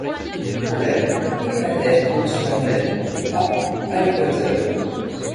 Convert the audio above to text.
Le problème est que la Terre tourne sur elle-même, à à l’Équateur.